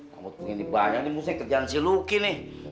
kamu tuh ini banyak nih musti kerjaan si luki nih